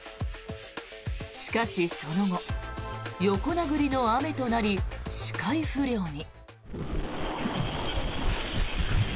しかし、その後横殴りの雨となり視界不良に。